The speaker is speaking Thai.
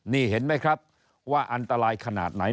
นี่เห็นไหมครับว่าอันตรายขนาดไหน